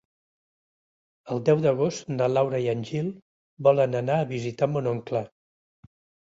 El deu d'agost na Laura i en Gil volen anar a visitar mon oncle.